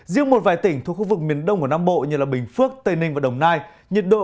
riêng một vài tỉnh thuộc khu vực miền đông của nam bộ như bình phước tây ninh và đồng nai nhiệt độ